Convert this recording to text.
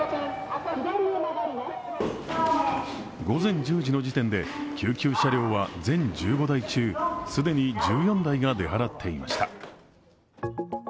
午前１０時の時点で救急車両は全１５台中、既に１４台が出払っていました。